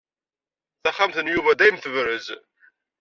Taxxamt n Yuba dayem tebrez.